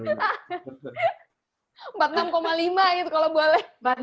empat puluh enam lima aja itu kalau boleh